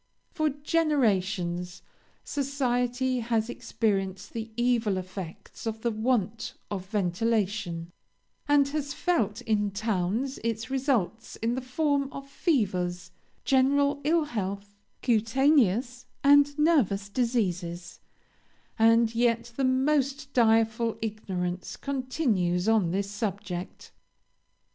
For generations, society has experienced the evil effects of the want of ventilation, and has felt in towns its results in the form of fevers, general ill health, cutaneous and nervous diseases; and yet the most direful ignorance continues on this subject.